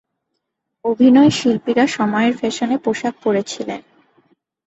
অভিনয়শিল্পীরা সময়ের ফ্যাশনে পোশাক পরেছিলেন।